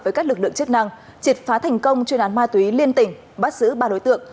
với các lực lượng chức năng triệt phá thành công chuyên án ma túy liên tỉnh bắt giữ ba đối tượng